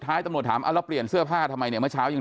ตำรวจถามเอาแล้วเปลี่ยนเสื้อผ้าทำไมเนี่ยเมื่อเช้ายัง